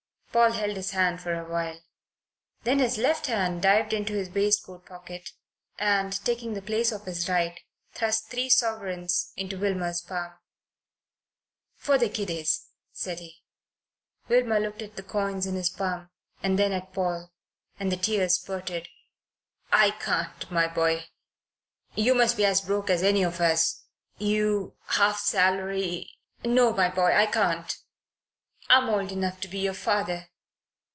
Paul held his hand for a while. Then his left hand dived into his waistcoat pocket and, taking the place of his right, thrust three sovereigns into Wilmer's palm. "For the kiddies," said he. Wilmer looked at the coins in his palm, and then at Paul, and the tears spurted. "I can't, my boy. You must be as broke as any of us you half salary no, my boy, I can't. I'm old enough to be your father.